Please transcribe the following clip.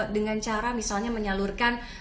dengan cara misalnya menyalurkan